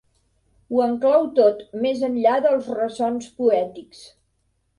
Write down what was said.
Ho enclou tot, més enllà dels ressons poètics.